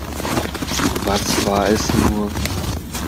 Was war es nur?